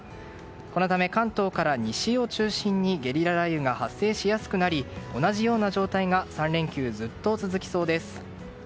このため、関東から西を中心にゲリラ雷雨が発生しやすくなり同じような状態が３連休、ずっと続きそうです。